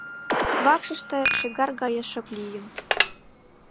Вакшыште шӱгар гае шып лийын.